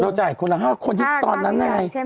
จ่ายคนละ๕คนที่ตอนนั้นไง